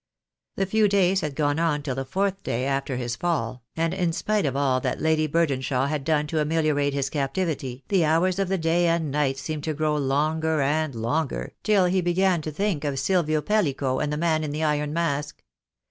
The few days had gone on till the fourth day after his fall, and in spite of all that Lady Burdenshaw had done to ameliorate his captivity the hours of the day and the night seemed to grow longer and longer, till he began to think of Silvio Pellico and the man in the iron mask.